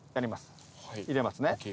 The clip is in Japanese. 入れますね。